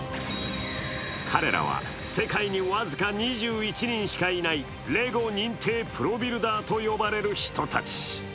彼らは世界に僅か２１人しかいないレゴ認定プロビルダーと呼ばれる人たち。